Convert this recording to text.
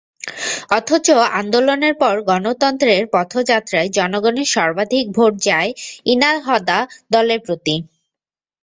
অথচ আন্দোলনের পর গণতন্ত্রের পথযাত্রায় জনগণের সর্বাধিক ভোট যায় ইনাহদা দলের প্রতি।